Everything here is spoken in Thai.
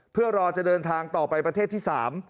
เพื่อรอจะเดินทางต่อไปประเทศที่๓